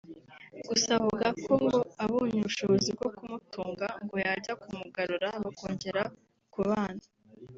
gusa avuga ko ngo abonye ubushobozi bwo kumutunga ngo yajya kumugarura bakongera kubana